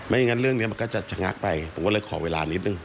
อย่างนั้นเรื่องนี้มันก็จะชะงักไปผมก็เลยขอเวลานิดนึง